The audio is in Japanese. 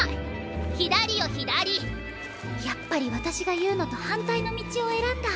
やっぱり私が言うのと反対の道を選んだ。